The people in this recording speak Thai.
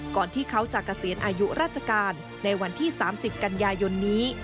ก่อนที่เขาจะเกษียณอายุราชการในวันที่๓๐กันยายนนี้